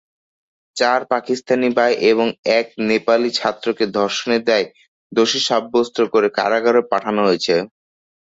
চার পাকিস্তানি ভাই এবং এক নেপালি ছাত্রকে ধর্ষণের দায়ে দোষী সাব্যস্ত করে কারাগারে পাঠানো হয়েছে।